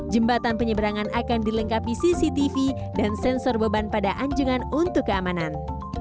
jembatan penyeberangan akan dilengkapi cctv dan sensor beban pada anjungan untuk keamanan